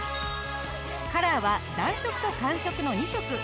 カラーは暖色と寒色の２色。